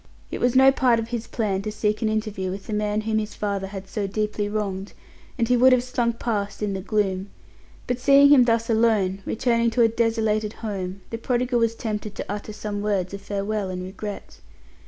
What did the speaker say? It was no part of his plan to seek an interview with the man whom his mother had so deeply wronged, and he would have slunk past in the gloom; but seeing him thus alone returning to a desolated home, the prodigal was tempted to utter some words of farewell and of regret.